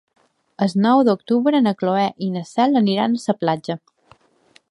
El nou d'octubre na Cloè i na Cel aniran a la platja.